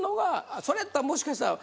それやったらもしかしたら。とか。